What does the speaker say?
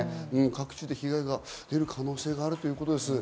各地で被害が出る可能性があるということです。